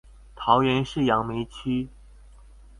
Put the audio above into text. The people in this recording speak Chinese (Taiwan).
桃園市楊梅區